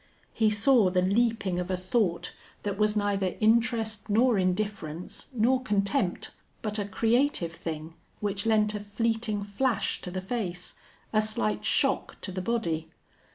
He saw the leaping of a thought that was neither interest nor indifference nor contempt, but a creative thing which lent a fleeting flash to the face, a slight shock to the body.